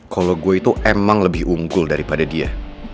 kalo gue tuh emang lebih unggul daripada dia